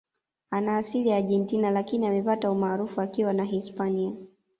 Ana asili ya Argentina Lakini amepata umaarufu akiwa na Hispania